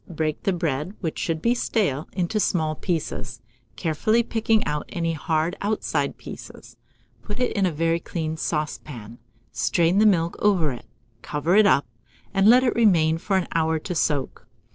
Break the bread, which should be stale, into small pieces, carefully picking out any hard outside pieces; put it in a very clean saucepan, strain the milk over it, cover it up, and let it remain for an hour to soak.